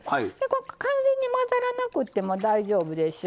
完全に混ざらなくても大丈夫でしゅ。